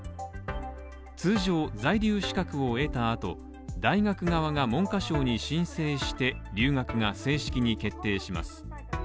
通常、在留資格を得た後、大学側が文科省に申請して留学が正式に決定します。